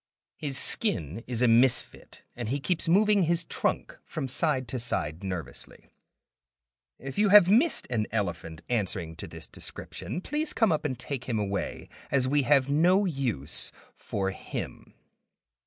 His skin is a misfit, and he keeps moving his trunk from side to side nervously. If you have missed an elephant answering to this description, please come up and take him away, as we have no use for him.